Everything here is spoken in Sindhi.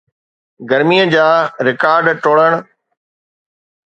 گرميءَ جا رڪارڊ ٽوڙڻ